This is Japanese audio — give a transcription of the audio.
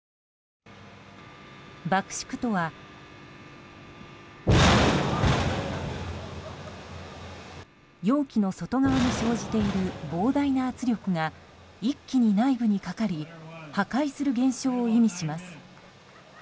爆縮とは、容器の外側に生じている膨大な圧力が一気に内部にかかり破壊する現象を意味します。